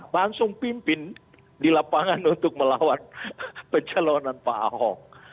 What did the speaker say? langsung pimpin di lapangan untuk melawan pencalonan pak ahok